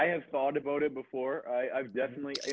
aku sudah pernah berpikir tentang ini